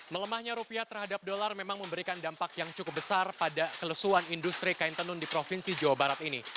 melemahnya rupiah terhadap dolar memang memberikan dampak yang cukup besar pada kelesuan industri kain tenun di provinsi jawa barat ini